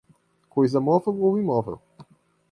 coisa móvel ou imóvel